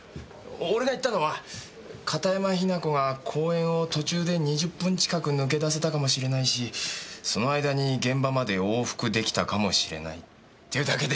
俺が言ったのは片山雛子が講演を途中で２０分近く抜け出せたかもしれないしその間に現場まで往復出来たかもしれないっていうだけで。